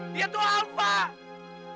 dia tuh alva topan